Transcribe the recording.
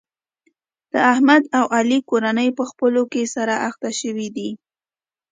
د احمد او علي کورنۍ په خپلو کې سره اخته شوې دي.